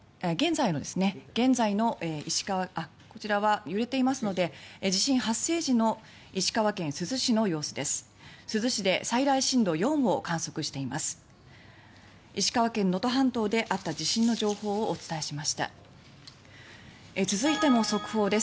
こちらは揺れていますので地震発生時の石川県珠洲市の様子です。